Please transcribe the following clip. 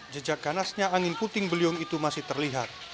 jejak panasnya angin puting beliung itu masih terlihat